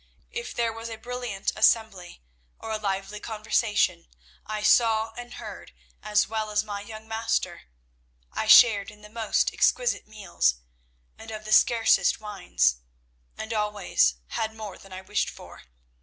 If there was a brilliant assembly or a lively conversation, I saw and heard as well as my young master. I shared in the most exquisite meals, and of the scarcest wines, and always had more than I wished for.